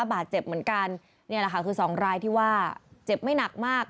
บาดเจ็บเหมือนกันนี่แหละค่ะคือสองรายที่ว่าเจ็บไม่หนักมาก